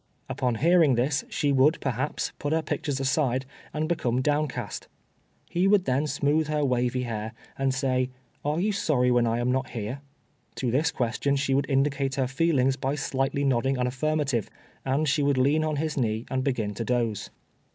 Upon hearing this, she would, perhaps, put her pictures aside, and become downcast. He would then smooth her wavy hair, and say, "Are you sorry when I am not here?" To this question she would indicate her feelings by slightly nodding an affirmative, and she would lean on his knee and begin to doze.